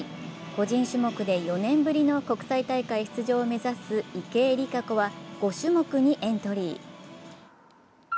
個人種目で４年ぶりの国際大会出場を目指す池江璃花子は５種目にエントリー。